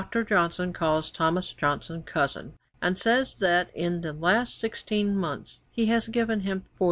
427, Dr. Johnson calls Thomas Johnson 'cousin,' and says that in the last sixteen months he had given him £40.